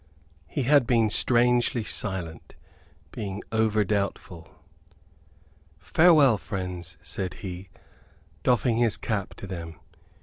He had been strangely silent, being over doubtful. "Farewell, friends," said he, doffing his cap to them.